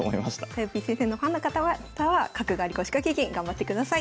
とよぴー先生のファンの方は一旦は角換わり腰掛け銀頑張ってください。